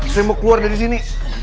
saya mau keluar dari sini